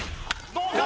どうか！？